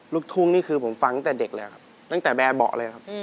ลูกทุ่งนี่คือผมฟังตั้งแต่เด็กเลยครับตั้งแต่แบบเบาะเลยครับ